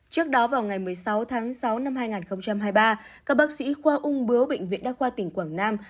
trước đó vào ngày một mươi sáu tháng sáu năm hai nghìn hai mươi ba các bác sĩ khoa ung bướu bệnh viện đa khoa tỉnh quảng nam